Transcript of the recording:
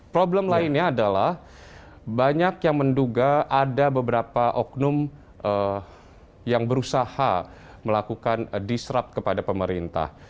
problem lainnya adalah banyak yang menduga ada beberapa oknum yang berusaha melakukan disrup kepada pemerintah